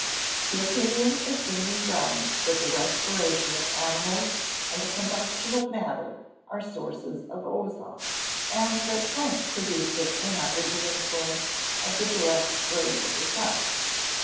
The opinion is gaining ground that the respiration of animals and the combustion of matter are sources of ozone, and that plants produce it when under the influence of the direct rays of the sun.